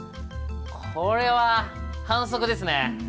これは反則ですね。